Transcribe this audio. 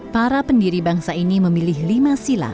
para pendiri bangsa ini memilih lima sila